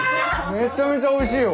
めちゃめちゃおいしいよ！